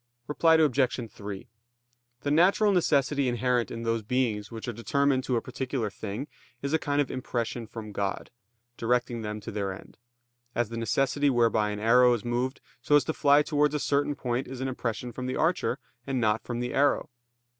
Reply Obj. 3: The natural necessity inherent in those beings which are determined to a particular thing, is a kind of impression from God, directing them to their end; as the necessity whereby an arrow is moved so as to fly towards a certain point is an impression from the archer, and not from the arrow.